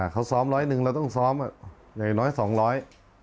เขาซ้อมร้อยหนึ่งเราต้องซ้อมอย่างน้อยสองร้อย